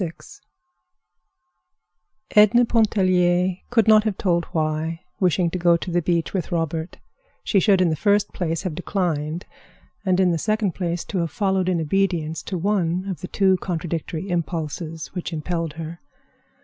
VI Edna Pontellier could not have told why, wishing to go to the beach with Robert, she should in the first place have declined, and in the second place have followed in obedience to one of the two contradictory impulses which impelled her.